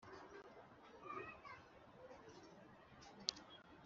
yesu yarakebutse abaza abigishwa be ababaye ati: “ni iki kibateye ubwoba? ntimurizera?